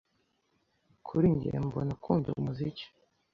Kuri njye mbona akunda umuziki.